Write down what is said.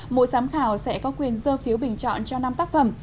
mỗi giám khảo sẽ có quyền dơ phiếu bình chọn cho năm tác phẩm